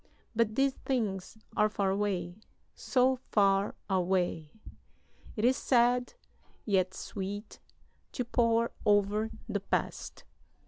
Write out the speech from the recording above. But these things are far away, so far away! It is sad, yet sweet, to pore over the past.